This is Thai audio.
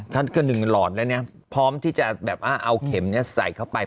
ก็๑หลอดแล้วพร้อมที่จะเอาเข็มใส่เข้าไป